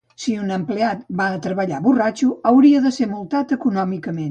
Si un empleat va a treballar borratxo hauria de ser multat econòmicament